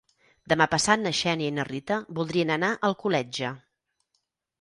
Demà passat na Xènia i na Rita voldrien anar a Alcoletge.